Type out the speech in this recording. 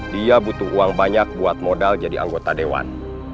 dia butuh uang banyak buat modal jadi anggota dewan